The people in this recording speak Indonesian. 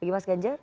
jadi mas ganjar